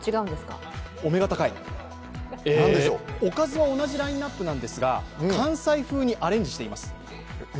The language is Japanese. お目が高い、おかずは同じラインナップなんですが関西風にアレンジしています。